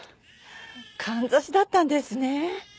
かんざしだったんですね。